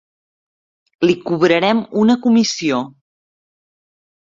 Li cobrarem una comissió.